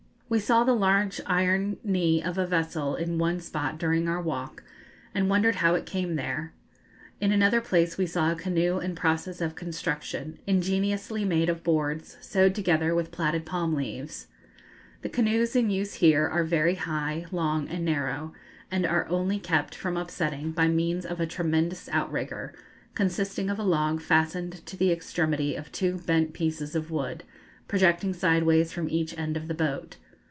We saw the large iron knee of a vessel in one spot during our walk, and wondered how it came there. In another place we saw a canoe in process of construction, ingeniously made of boards, sewed together with plaited palm leaves. The canoes in use here are very high, long, and narrow, and are only kept from upsetting by means of a tremendous outrigger, consisting of a log fastened to the extremity of two bent pieces of wood, projecting sideways from each end of the boat.